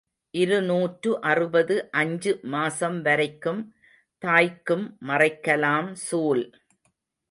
இருநூற்று அறுபது அஞ்சு மாசம் வரைக்கும் தாய்க்கும் மறைக்கலாம், சூல்.